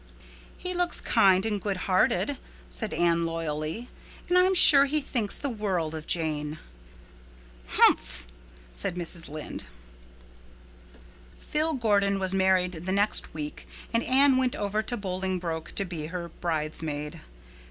"He looks kind and good hearted," said Anne loyally, "and I'm sure he thinks the world of Jane." "Humph!" said Mrs. Rachel. Phil Gordon was married the next week and Anne went over to Bolingbroke to be her bridesmaid.